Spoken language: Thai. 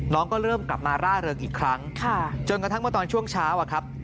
ก็เริ่มกลับมาร่าเริงอีกครั้งจนกระทั่งเมื่อตอนช่วงเช้าอะครับ